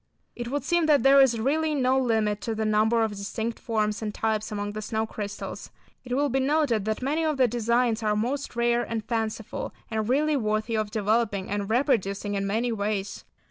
It would seem that there is really no limit to the number of distinct forms and types among the snow crystals. It will be noted that many of the designs are most rare and fanciful, and really worthy of developing and reproducing in many ways.